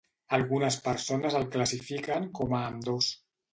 Algunes persones el classifiquen com a ambdós.